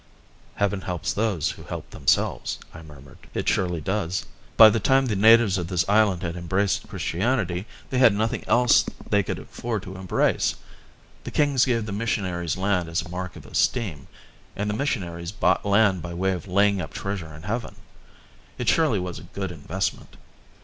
"Heaven helps those who help themselves," I murmured. "It surely does. By the time the natives of this island had embraced Christianity they had nothing else they could afford to embrace. The kings gave the missionaries land as a mark of esteem, and the missionaries bought land by way of laying up treasure in heaven. It surely was a good investment.